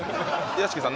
屋敷さん